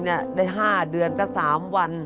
ได้๕เดือนก็๓วัน